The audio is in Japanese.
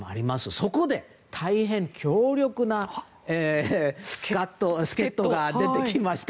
そこで、大変強力な助っ人が出てきました。